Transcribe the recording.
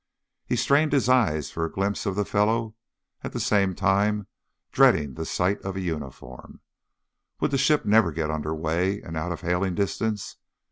He strained his eyes for a glimpse of the fellow, at the same time dreading the sight of a uniform. Would the ship never get under way and out of hailing distance?